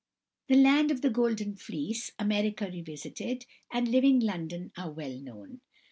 "The Land of the Golden Fleece," "America Revisited," and "Living London" are well known.